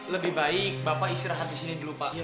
lebih baik bapak istirahat disini dulu pak